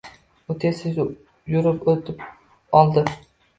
U tez-tez yurib oʻtib oldi.